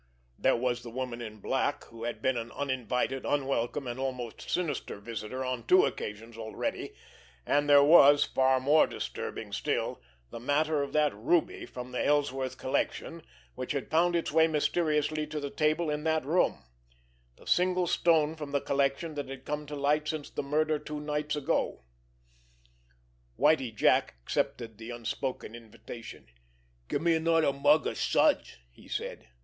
There was the Woman in Black, who had been an uninvited, unwelcome, and almost sinister visitor on two occasions already; and there was, far more disturbing still, the matter of that ruby from the Ellsworth collection which had found its way mysteriously to the table in that room—the single stone from the collection that had come to light since the murder two nights ago. Whitie Jack accepted the unspoken invitation. "Gimme another mug of suds," he said.